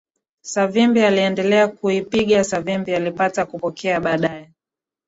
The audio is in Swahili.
Savimbi aliendelea kuipinga Savimbi alipata kupokea baadaye